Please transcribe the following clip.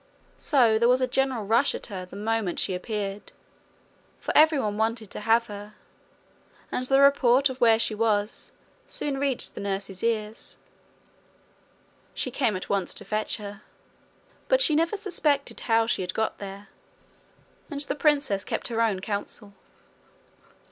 So there was a general rush at her the moment she appeared, for every one wanted to have her; and the report of where she was soon reached the nurse's ears. She came at once to fetch her; but she never suspected how she had got there, and the princess kept her own counsel.